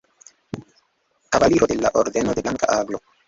Kavaliro de la Ordeno de Blanka Aglo.